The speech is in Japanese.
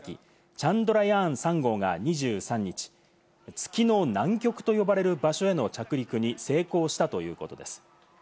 「チャンドラヤーン３号」が２３日、月の南極と呼ばれる場所への着陸に成功したということです。